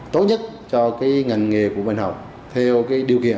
tốt nhất cho cái ngành nghề của bệnh học